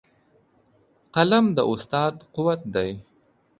قلم د استاد قوت دی.